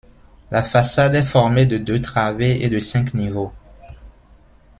La façade est formée de deux travées et de cinq niveaux.